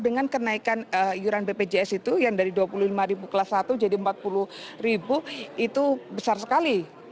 dengan kenaikan iuran bpjs itu yang dari dua puluh lima ribu kelas satu jadi rp empat puluh ribu itu besar sekali